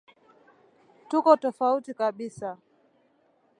tuko tofauti kabisa